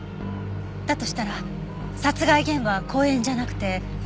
だとしたら殺害現場は公園じゃなくて。